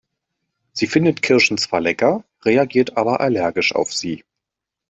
Sie findet Kirschen zwar lecker, reagiert aber allergisch auf sie.